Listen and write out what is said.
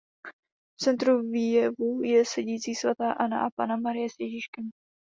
V centru výjevu je sedící svatá Anna a Panna Marie s Ježíškem.